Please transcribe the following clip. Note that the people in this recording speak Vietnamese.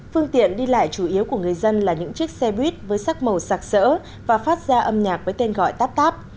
phương tiện đi lại chủ yếu của người dân là những chiếc xe buýt với sắc màu sạc sỡ và phát ra âm nhạc với tên gọi taptap